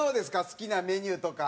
好きなメニューとか。